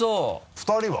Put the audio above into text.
２人は？